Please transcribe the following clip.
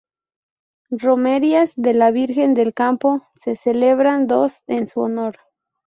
Romerías de la Virgen del Campo: se celebran dos en su honor.